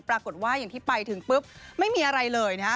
ปรากฏว่าอย่างที่ไปถึงปุ๊บไม่มีอะไรเลยนะฮะ